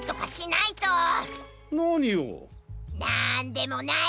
なんでもない。